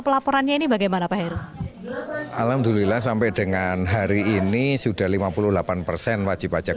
pelaporannya ini bagaimana pak heru alhamdulillah sampai dengan hari ini sudah lima puluh delapan persen wajib pajak